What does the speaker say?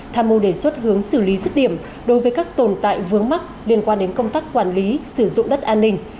tham mưu đề xuất hướng xử lý dứt điểm đối với các tồn tại vướng mắc liên quan đến công tác quản lý sử dụng đất an ninh